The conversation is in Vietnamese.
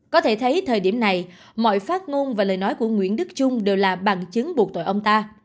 có thể thấy thời điểm này mọi phát ngôn và lời nói của nguyễn đức trung đều là bằng chứng buộc tội ông ta